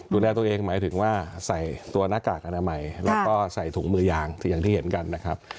ดูแลตัวเองหมายถึงว่าใส่ตัวหน้ากากอนามัยแล้วก็ใส่ถุงมือยางอย่างที่เห็นกันนะครับ